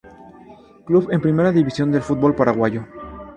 Club en Primera División del Fútbol Paraguayo.